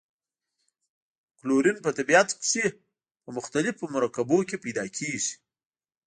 کلورین په طبیعت کې په مختلفو مرکبونو کې پیداکیږي.